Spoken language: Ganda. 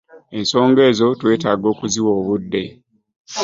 Ensonga ezo twetaaga okuziwa obudde.